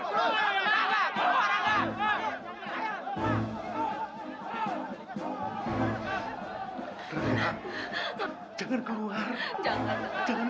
rangga keluar rangga keluar keluar rangga keluar rangga